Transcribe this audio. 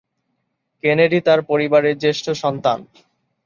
Kennedy তার পরিবারের জ্যেষ্ঠ সন্তান।